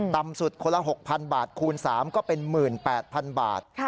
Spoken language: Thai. ต่ำสุดคนละ๖๐๐๐บาทคูณ๓ก็เป็น๑๘๐๐๐บาท